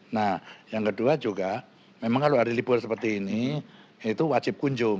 nah yang kedua juga memang kalau hari libur seperti ini itu wajib kunjung